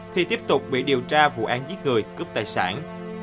thì tiếp tục bị điều tra vụ án giết người cướp tài sản